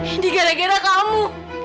ini gara gara kamu